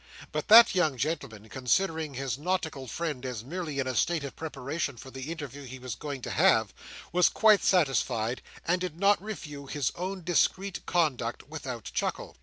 But that young gentleman, considering his nautical friend as merely in a state of preparation for the interview he was going to have, was quite satisfied, and did not review his own discreet conduct without chuckle.